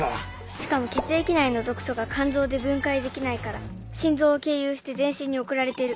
しかも血液内の毒素が肝臓で分解できないから心臓を経由して全身に送られてる。